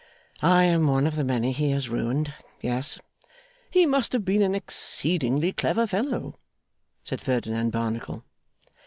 'I am one of the many he has ruined. Yes.' 'He must have been an exceedingly clever fellow,' said Ferdinand Barnacle.